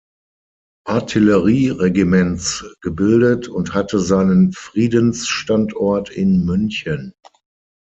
Artillerie-Regiments gebildet und hatte seinen Friedensstandort in München.